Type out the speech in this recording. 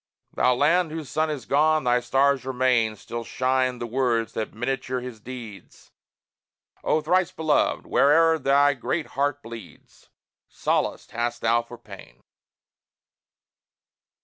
Thou Land whose sun is gone, thy stars remain! Still shine the words that miniature his deeds. O thrice beloved, where'er thy great heart bleeds, Solace hast thou for pain! SIDNEY LANIER.